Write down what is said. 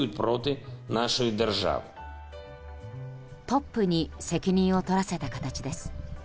トップに責任を取らせた形です。